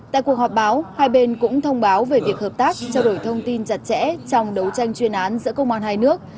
tại cuộc họp báo hai bên cũng thông báo về việc hợp tác trao đổi thông tin chặt chẽ trong đấu tranh chuyên án giữa công an hai nước